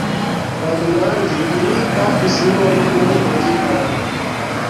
Por manĝi ili pafis nur unu kokinon.